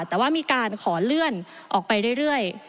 แต่ว่ามีการขอเลื่อนออกไปเรื่อย